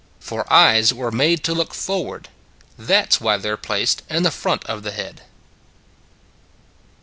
For eyes were made to look forward; that s why they re placed in the front of the head.